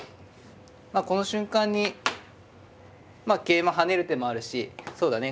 まあこの瞬間に桂馬跳ねる手もあるしそうだね